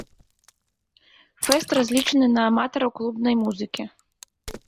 Фэст разлічаны на аматараў клубнай музыкі.